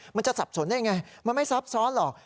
มันจะสับสนได้ไงมันไม่ซับซ้อนหรอก